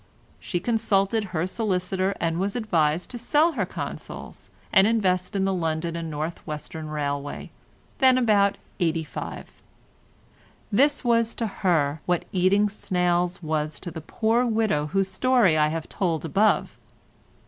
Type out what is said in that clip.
She consulted her solicitor and was advised to sell her Consols and invest in the London and North Western Railway, then at about 85. This was to her what eating snails was to the poor widow whose story I have told above.